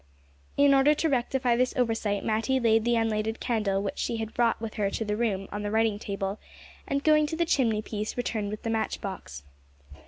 In order to rectify this oversight, Matty laid the unlighted candle which she had brought with her to the room on the writing table, and going to the chimney piece, returned with the match box.